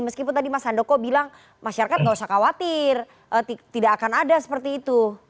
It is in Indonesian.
meskipun tadi mas handoko bilang masyarakat tidak usah khawatir tidak akan ada seperti itu